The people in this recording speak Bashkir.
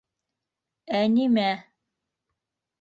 - Ә нимә?